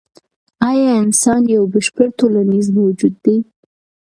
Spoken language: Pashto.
ایا انسان یو بشپړ ټولنیز موجود دی؟